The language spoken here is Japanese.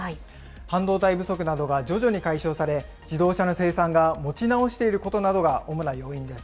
半導体不足などが徐々に解消され、自動車の生産が持ち直していることなどが主な要因です。